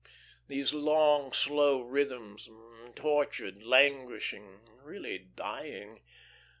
These long, slow rhythms, tortured, languishing, really dying.